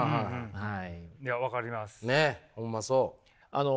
はい。